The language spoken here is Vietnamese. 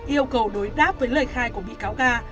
yêu cầu đối đáp với lời khai của bị cáo ga